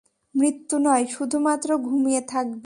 মৃত্যু নয়, শুধুমাত্র ঘুমিয়ে থাকবে।